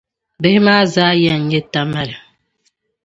Bihi maa zaa ya n-nyɛ Tamale.